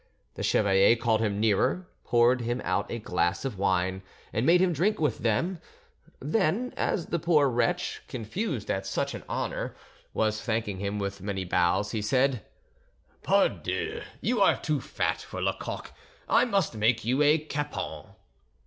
The chevalier called him nearer, poured him out a glass of wine and made him drink with them; then, as the poor wretch, confused at such an honour, was thanking him with many bows, he said:— "Pardieu, you are too fat for Lecoq, and I must make you a capon."